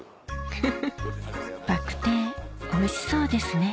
フフフバクテーおいしそうですね